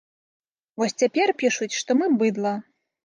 Вось цяпер пішуць, што мы быдла.